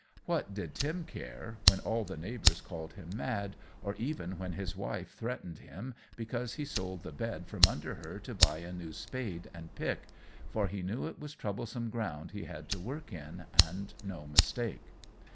What did Tim care, when all the neighbours called him mad, or even when his wife threatened him because he sold the bed from under her to buy a new spade and pick, for he knew it was troublesome ground he had to work in, and no mistake.